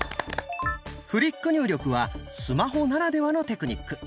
「フリック入力」はスマホならではのテクニック。